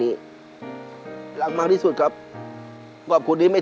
เปลี่ยนเพลงเพลงเก่งของคุณและข้ามผิดได้๑คำ